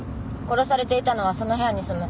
殺されていたのはその部屋に住む。